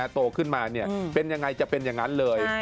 โตขึ้นมาเป็นยังไงจะเป็นอย่างนั้นเลย